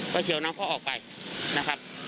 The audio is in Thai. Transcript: เฉียวน้องเขาออกไปนะครับ